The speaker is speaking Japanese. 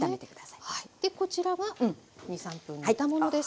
でこちらが２３分煮たものです。